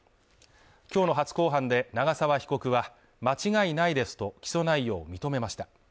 今日の初公判で長沢被告は、間違いないですと起訴内容を認めました。